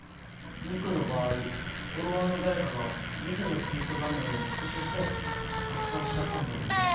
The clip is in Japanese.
ミクの場合フォロワーの誰かがミクのツイート画面をスクショして拡散しちゃったんだろうね。